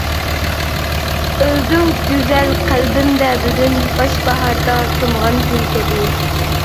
ئۆلدۈڭ گۈزەل قەلبىمدە بۈگۈن، باش باھاردا سۇنغان گۈل كەبى.